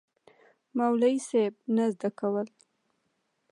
مولوي صېب نه زده کول